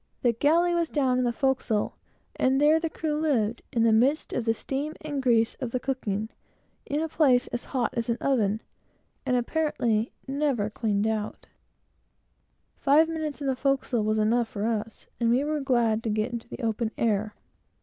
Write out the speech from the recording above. The galley was down in the forecastle; and there the crew lived, in the midst of the steam and grease of the cooking, in a place as hot as an oven, and as dirty as a pigsty. Five minutes in the forecastle was enough for us, and we were glad to get into the open air.